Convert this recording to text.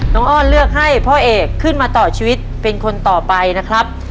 อ้อนเลือกให้พ่อเอกขึ้นมาต่อชีวิตเป็นคนต่อไปนะครับ